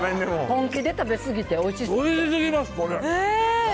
本気で食べ過ぎて、おいしすぎて。